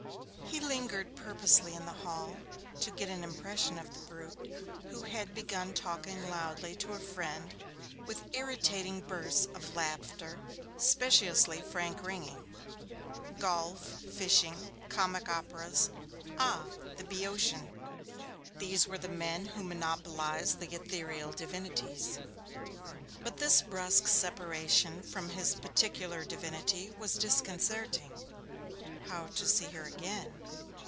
He lingered purposely in the hall to get an impression of the brute, who had begun talking loudly to a friend with irritating bursts of laughter, speciously frank ringing. Golf, fishing, comic operas ah, the Boeotian! These were the men who monopolized the ethereal divinities. But this brusque separation from his particular divinity was disconcerting. How to see her again?